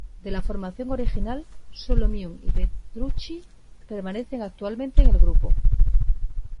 De la formación original, solo Myung y Petrucci permanecen actualmente en el grupo.